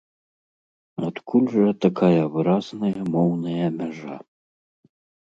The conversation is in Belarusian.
Адкуль жа такая выразная моўная мяжа?